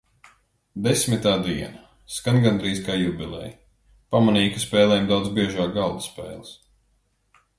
Desmitā diena. Skan gandrīz kā jubileja. Pamanīju, ka spēlējam daudz biežāk galda spēles.